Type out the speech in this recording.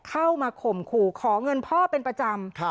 เข้ามาข่มขู่ขอเงินพ่อเป็นประจำ